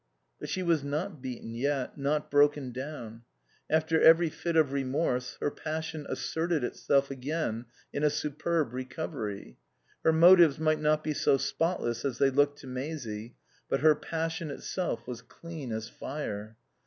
But she was not beaten yet, not broken down. After every fit of remorse her passion asserted itself again in a superb recovery. Her motives might not be so spotless as they looked to Maisie, but her passion itself was clean as fire.